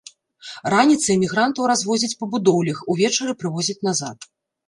Раніцай мігрантаў развозяць па будоўлях, увечары прывозяць назад.